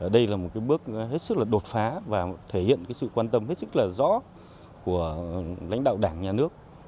đây là một bước rất đột phá và thể hiện sự quan tâm rất rõ của lãnh đạo đảng nhà nước